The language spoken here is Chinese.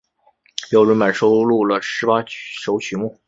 标准版收录了十八首曲目。